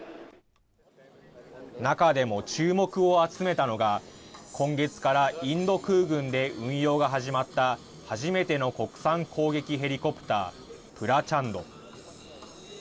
中でも注目を集めたのが今月からインド空軍で運用が始まった初めての国産攻撃ヘリコプタープラチャンド。